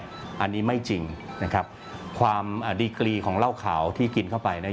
อันนี้ไม่จริงนะครับความดีกรีของเหล้าขาวที่กินเข้าไปเนี่ย